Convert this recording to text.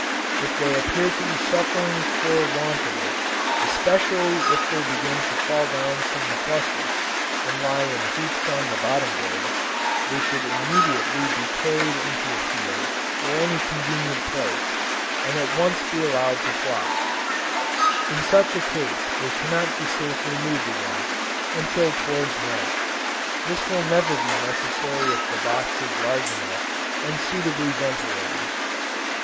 If they appear to be suffering for want of it, especially if they begin to fall down from the cluster, and to lie in heaps on the bottom board, they should immediately be carried into a field or any convenient place, and at once be allowed to fly: in such a case they cannot be safely moved again, until towards night. This will never be necessary if the box is large enough, and suitably ventilated.